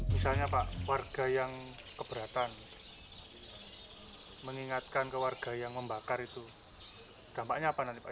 misalnya pak warga yang keberatan mengingatkan ke warga yang membakar itu dampaknya apa nanti pak